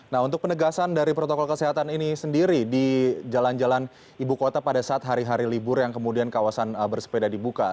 nah untuk penegasan dari protokol kesehatan ini sendiri di jalan jalan ibu kota pada saat hari hari libur yang kemudian kawasan bersepeda dibuka